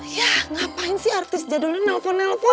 ya ngapain sih artis jadulnya nelfon nelpon